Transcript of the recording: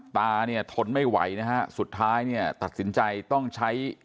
ตาเนี่ยทนไม่ไหวนะฮะสุดท้ายเนี่ยตัดสินใจต้องใช้